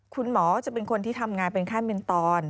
คุณหมอจะเป็นคนที่ทำงานเป็นขั้นเป็นตอน